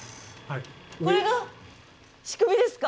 これが仕組みですか？